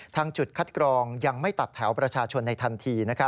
จุดคัดกรองยังไม่ตัดแถวประชาชนในทันที